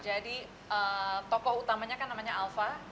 jadi tokoh utamanya kan namanya alva